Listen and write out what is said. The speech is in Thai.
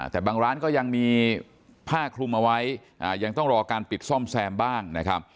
แต่บางร้านก็ยังมีผ้าคลุมเอาไว้ยังต้องรอการปิดซ่อมแซมบ้างนะครับ